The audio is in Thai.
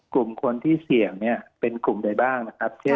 กลุ่มคนที่เสี่ยงเป็นกลุ่มใดบ้างนะครับเช่น